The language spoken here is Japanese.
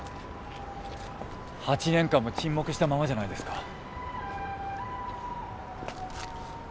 ８年間も沈黙したままじゃないですか。